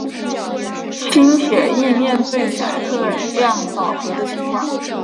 轻铁亦面对载客量饱和的情况。